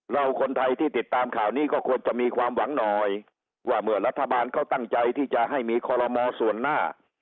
เราคนไทยที่ติดตามข่าวนี้ก็ควรจะมีความหวังหน่อยว่าเมื่อรัฐบาลเขาตั้งใจที่จะให้มีคอลโลมอส่วนหน้า